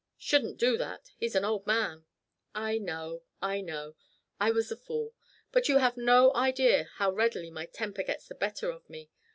"Shouldn't do that. He's an old man." "I know I know. I was a fool. But you have no idea how readily my temper gets the better of me.